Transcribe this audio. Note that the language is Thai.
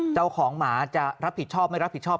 เจ้าของหมาจะรับผิดชอบไม่รับผิดชอบ